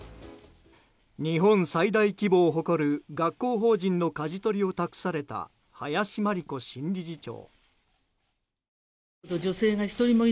日本最大規模を誇る学校法人のかじ取りを託された林真理子新理事長。